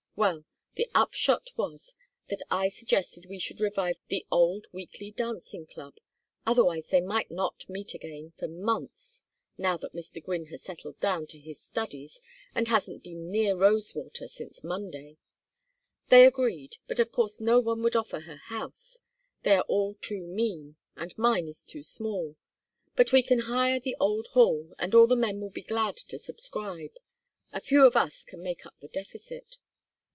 Well, the upshot was that I suggested we should revive the old weekly dancing club. Otherwise they might not meet again for months, now that Mr. Gwynne has settled down to his studies and hasn't been near Rosewater since Monday. They agreed, but of course no one would offer her house; they are all too mean, and mine is too small. But we can hire the old hall, and all the men will be glad to subscribe a few of us can make up the deficit.